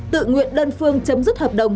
tự nguyện đơn phương chấm dứt hợp đồng